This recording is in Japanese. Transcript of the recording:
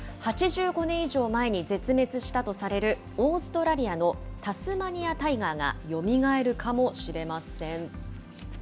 ８５年以上前に絶滅したとされる、オーストラリアのタスマニア・タイガーが、よみがえるかもしれません。